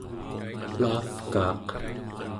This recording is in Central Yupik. laavkaaq